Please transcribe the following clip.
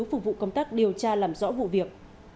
phục vụ công tác điều tra làm rõ vụ việc